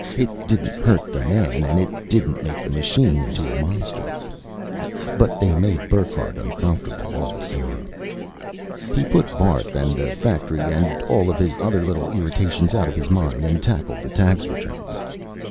It didn't hurt the man and it didn't make the machine into a monster. But they made Burckhardt uncomfortable all the same. He put Barth and the factory and all his other little irritations out of his mind and tackled the tax returns.